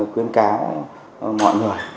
khuyến cáo mọi người